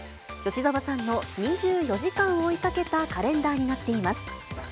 吉沢さんの２４時間を追いかけたカレンダーになっています。